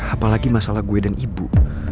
apalagi masalah gue dan ibu